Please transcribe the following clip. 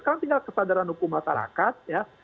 sekarang tinggal kesadaran hukum masyarakat